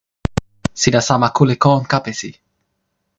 sina sama kule kon kapesi.